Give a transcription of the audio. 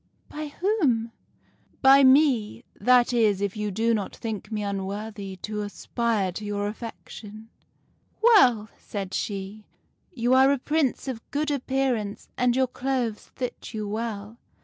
"' By whom ?'"' By me. That is, if you do not think me unworthy to aspire to your affection.' "' Well,' said she, 'you are a Prince of good appearance, and your clothes fit you very well.